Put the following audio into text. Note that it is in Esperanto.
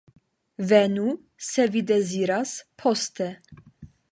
Venu, se vi deziras, poste.